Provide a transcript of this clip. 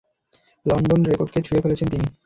London রেকর্ডকে ছুঁয়ে ফেলেছেন তিনি।